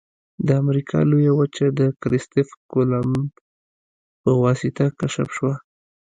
د امریکا لویه وچه د کرستف کولمب په واسطه کشف شوه.